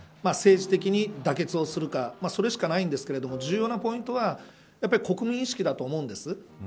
政治的に妥結をするかそれしかないんですけど重要なポイントは国民意識だと思うんです。